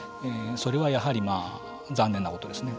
それはやはり残念なことですね。